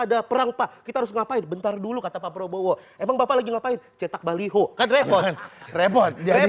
ada perang pak kita harus ngapain bentar dulu kata pak prabowo emang bapak lagi ngapain cetak baliho